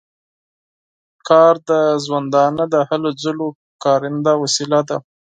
کار د ژوندانه د هلو ځلو کارنده وسیله ده.